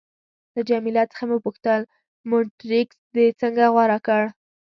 له جميله څخه مې وپوښتل: مونټریکس دې څنګه غوره کړ؟